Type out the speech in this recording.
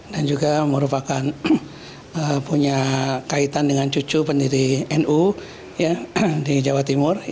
dan juga merupakan punya kaitan dengan cucu pendiri nu di jawa timur